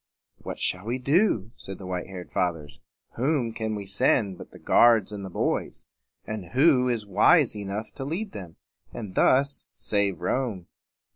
"What shall we do?" said the white haired Fathers. "Whom can we send but the guards and the boys? and who is wise enough to lead them, and thus save Rome?"